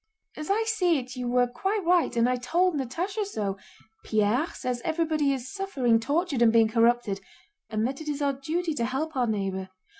"As I see it you were quite right, and I told Natásha so. Pierre says everybody is suffering, tortured, and being corrupted, and that it is our duty to help our neighbor.